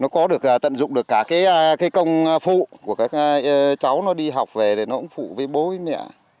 nó có được tận dụng được cả cái công phụ của các cháu nó đi học về thì nó cũng phụ với bố mẹ